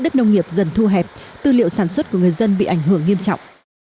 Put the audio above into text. trong khi đó hầu hết người dân bị ảnh hưởng nghiêm trọng